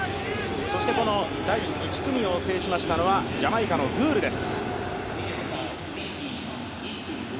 第１組を制しましたのは、ジャマイカのグールです。